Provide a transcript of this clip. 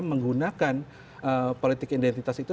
menggunakan politik identitas itu